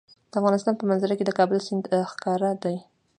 د افغانستان په منظره کې د کابل سیند ښکاره ده.